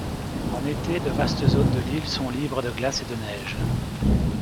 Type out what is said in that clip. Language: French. En été, de vastes zones de l'île sont libres de glace et de neige.